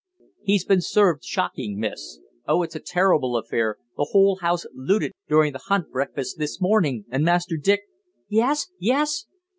"He's been served shocking, Miss. Oh, it's a terrible affair. The whole house looted during the hunt breakfast this, morning, and Master Dick " "Yes! Yes!"